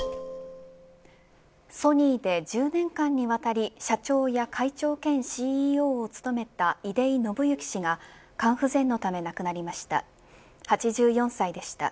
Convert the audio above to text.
ソニーで１０年間にわたり社長や会長兼ＣＥＯを務めた出井伸之氏が肝不全のため亡くなりました。